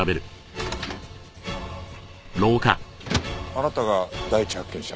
あなたが第一発見者？